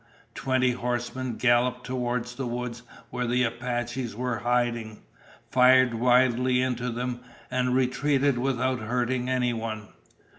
Twenty horsemen galloped toward the woods where the Apaches were hiding, fired wildly into them, and retreated without hurting anyone.